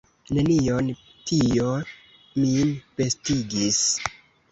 Nenion; tio min bestigis.